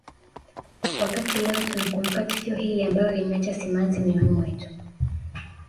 Wakati leo tunakumbuka tukio hili ambalo limeacha simanzi mioyoni mwetu